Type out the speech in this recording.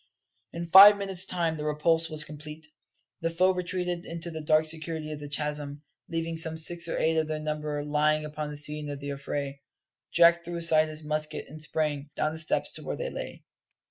In five minutes' time the repulse was complete; the foe retreated into the dark security of the chasm, leaving some six or eight of their number lying upon the scene of the affray. Jack threw aside his musket and sprang: down the steps to where they lay.